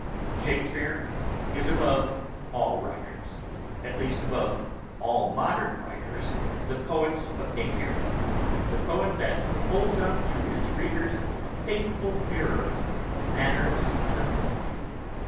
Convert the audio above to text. Shakespeare is above all writers, at least above all modern writers, the poet of nature; the poet that holds up to his readers a faithful mirrour of manners and of life.